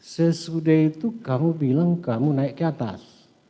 sesudah itu kamu bilang kamu naik ke atas